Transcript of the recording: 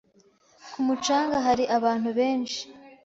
Ku mucanga hari abantu benshi.